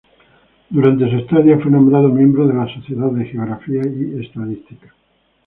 Durante su estadía fue nombrado miembro de la sociedad de Geografía y Estadística.